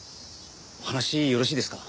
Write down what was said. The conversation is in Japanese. お話よろしいですか？